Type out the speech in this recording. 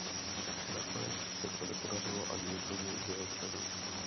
Nakonec se to nepodařilo ani jednomu z jeho členů.